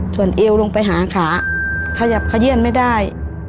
ส่วนเอวลงไปหาขาขยับขยื่นไม่ได้